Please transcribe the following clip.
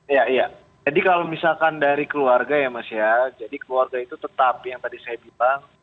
iya iya jadi kalau misalkan dari keluarga ya mas ya jadi keluarga itu tetap yang tadi saya bilang